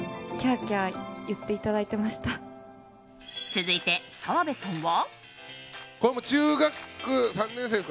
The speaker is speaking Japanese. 続いて、澤部さんは。